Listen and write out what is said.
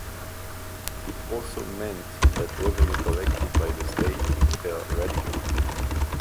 It also meant that revenue collected by the state fell radically.